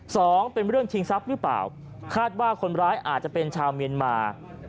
สองเป็นเรื่องชิงทรัพย์หรือเปล่าคาดว่าคนร้ายอาจจะเป็นชาวเมียนมา